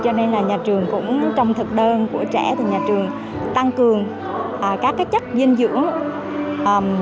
cho nên là nhà trường cũng trong thực đơn của trẻ thì nhà trường tăng cường các chất dinh dưỡng